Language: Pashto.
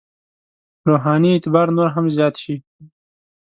روحاني اعتبار نور هم زیات شي.